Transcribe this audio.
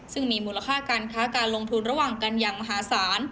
ซึ่งมีมูลค่าการค้าการลงทุนระหว่างกันอย่างมหาศาล